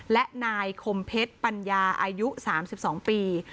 และนายคมเพชรปัญญาอายุ๓๒ปี